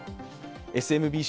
ＳＭＢＣ